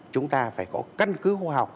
chúng ta phải có căn cứ khoa học